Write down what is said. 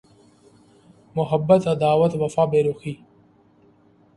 Muhabbat Adawat Wafa Berukhi